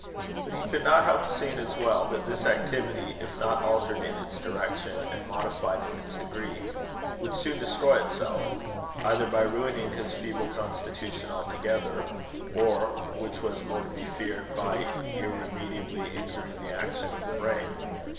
But he could not help seeing as well, that this activity, if not altered in its direction and modified in its degree, would soon destroy itself, either by ruining his feeble constitution altogether, or, which was more to be feared, by irremediably injuring the action of the brain.